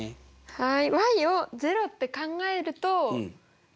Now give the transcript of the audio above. はい。